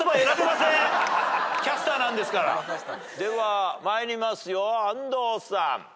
では参りますよ安藤さん。